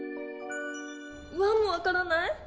ワンもわからない？